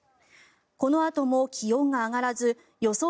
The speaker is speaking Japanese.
このあとも気温が上がらず予想